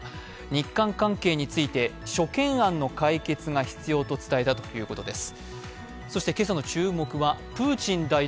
日韓関係について、諸懸案の解決が必要と伝えたということです。